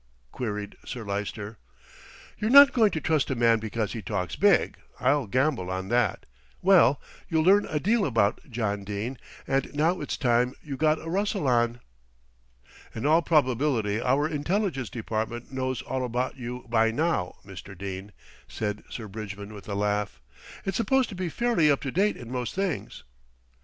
queried Sir Lyster. "You're not going to trust a man because he talks big, I'll gamble on that. Well, you'll learn a deal about John Dene, and now it's time you got a rustle on." "In all probability our Intelligence Department knows all about you by now, Mr. Dene," said Sir Bridgman with a laugh. "It's supposed to be fairly up to date in most things."